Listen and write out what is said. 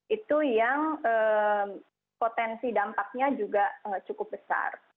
itu yang potensi dampaknya juga cukup besar